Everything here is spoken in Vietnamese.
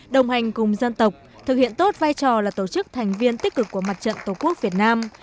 đồng hành cùng dân tộc thực hiện tốt vai trò là tổ chức thành viên tích cực của mặt trận tổ quốc việt nam